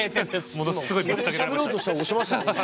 僕がしゃべろうとしたら押しましたよね。